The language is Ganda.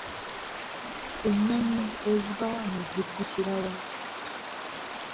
Ennyonyi eziva wano ziggukira wa?